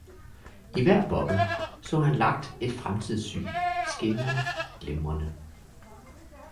I hver boble så han lagt et fremtidssyn, skinnende, glimrende.